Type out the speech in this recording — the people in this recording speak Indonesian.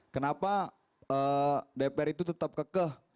kenapa dpr itu tetap kekeh